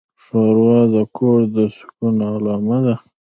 ښوروا د کور د سکون علامه ده.